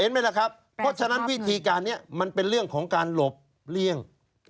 ไหมล่ะครับเพราะฉะนั้นวิธีการนี้มันเป็นเรื่องของการหลบเลี่ยง